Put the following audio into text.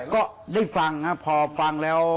ก็ได้ฟังพอฟังแล้ว